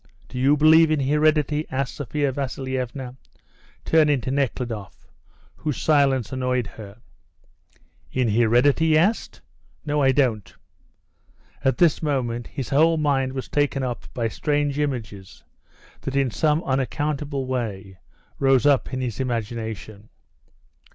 Do you believe in heredity?" asked Sophia Vasilievna, turning to Nekhludoff, whose silence annoyed her. "In heredity?" he asked. "No, I don't." At this moment his whole mind was taken up by strange images that in some unaccountable way rose up in his imagination.